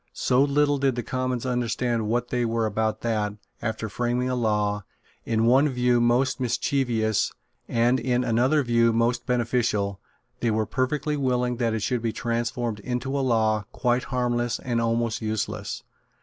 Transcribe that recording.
So little did the Commons understand what they were about that, after framing a law, in one view most mischievous, and in another view most beneficial, they were perfectly willing that it should be transformed into a law quite harmless and almost useless.